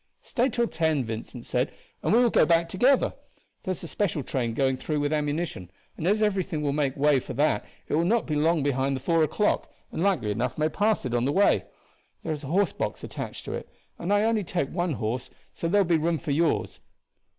"Stay till ten," Vincent said, "and we will go back together. There is a special train going through with ammunition, and as everything will make way for that it will not be long behind the four o'clock, and likely enough may pass it on the way. There is a horse box attached to it, and as I only take one horse there will be room for yours."